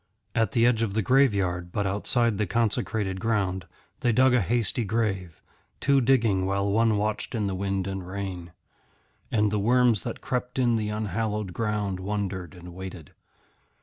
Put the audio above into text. At the edge of the graveyard, but outside the consecrated ground, they dug a hasty grave, two digging while one watched in the wind and rain. And the worms that crept in the unhallowed ground wondered and waited.